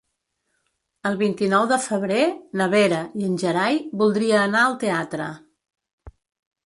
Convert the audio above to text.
El vint-i-nou de febrer na Vera i en Gerai voldria anar al teatre.